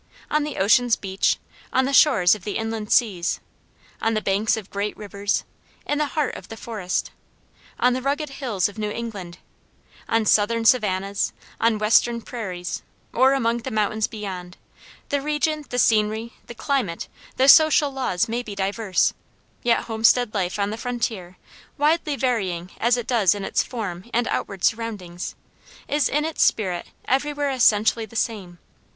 On the ocean's beach, on the shores of the inland seas, on the banks of great rivers, in the heart of the forest, on the rugged hills of New England, on southern Savannas, on western prairies, or among the mountains beyond, the region, the scenery, the climate, the social laws may be diverse, yet homestead life on the frontier, widely varying as it does in its form and outward surroundings, is in its spirit everywhere essentially the same.